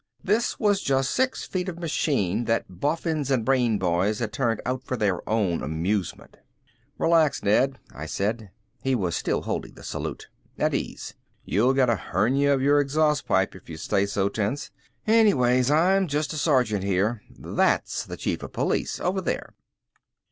This was just six feet of machine that boffins and brain boys had turned out for their own amusement. "Relax, Ned," I said. He was still holding the salute. "At ease. You'll get a hernia of your exhaust pipe if you stay so tense. Anyways, I'm just the sergeant here. That's the Chief of Police over there."